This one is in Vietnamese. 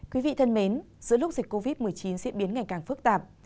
quý vị thân mến giữa lúc dịch covid một mươi chín diễn biến ngày càng phức tạp